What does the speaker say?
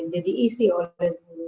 jadi isi oleh guru